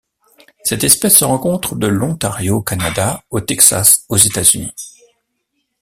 Cette espèce se rencontre de l'Ontario au Canada au Texas aux États-Unis.